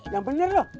yang bener loh